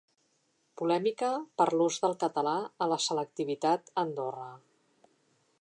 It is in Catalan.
Polèmica per l’ús del català a la selectivitat a Andorra.